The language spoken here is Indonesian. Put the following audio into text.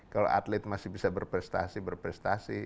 kalau atlet masih bisa berprestasi berprestasi